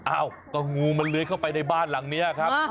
อ้าวก็งูมันเลื้อยเข้าไปในบ้านหลังนี้ครับ